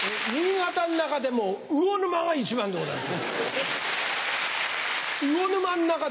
魚沼の中でも南魚沼が一番でございます。